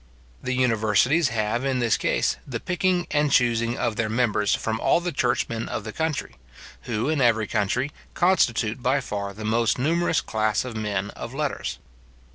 The universities have, in this case, the picking and chusing of their members from all the churchmen of the country, who, in every country, constitute by far the most numerous class of men of letters.